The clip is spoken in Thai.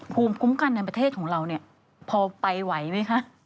ภูมิคุ้มกันในประเทศของเราเนี่ยพอไปไหวไหมคะ